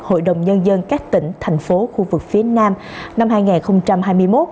hội đồng nhân dân các tỉnh thành phố khu vực phía nam năm hai nghìn hai mươi một